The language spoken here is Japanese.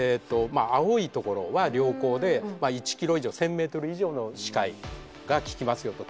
まあ青い所は良好で１ｋｍ以上１，０００ｍ以上の視界がききますよと。